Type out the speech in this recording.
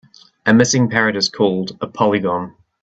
A missing parrot is called a polygon.